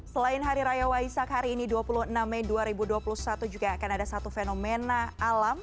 selain hari raya waisak hari ini dua puluh enam mei dua ribu dua puluh satu juga akan ada satu fenomena alam